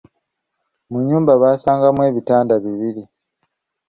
Mu nnyumba baasangamu ebitanda bibiri.